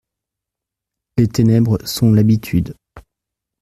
Les ténèbres sont l'habitude.